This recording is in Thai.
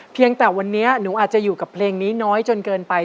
เพียงแต่วันนี้หนูอาจจะอยู่กับเพลงนี้น้อยจนเกินไป